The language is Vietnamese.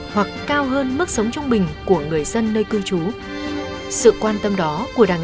hoặc cao hơn mức sống trung bình của người dân nơi cư trú sự quan tâm đó của đảng